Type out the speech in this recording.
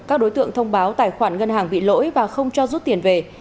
các đối tượng thông báo tài khoản ngân hàng bị lỗi và không cho rút tiền về